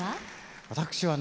私はね